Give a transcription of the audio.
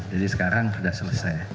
jadi sekarang sudah selesai